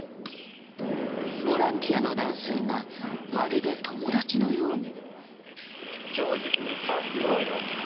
ボランティアの男性がまるで友達のように。